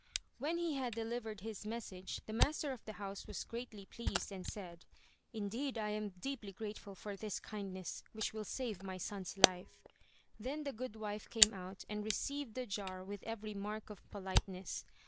When he had delivered his message, the master of the house was greatly pleased and said, "Indeed, I am deeply grateful for this kindness, which will save my son's life." Then the good wife came out, and received the jar with every mark of politeness.